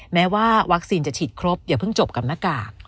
แม้ว่าวัคซีนจะฉีดครบอย่าเพิ่งจบกับหน้ากาก